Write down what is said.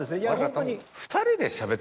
ホントに。